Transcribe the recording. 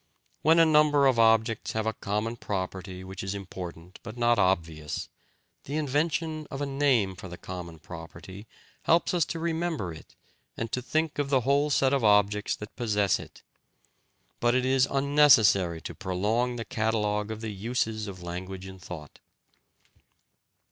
When a number of objects have a common property which is important but not obvious, the invention of a name for the common property helps us to remember it and to think of the whole set of objects that possess it. But it is unnecessary to prolong the catalogue of the uses of language in thought.